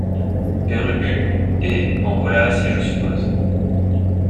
Père Ubu Eh ! en voilà assez, je suppose.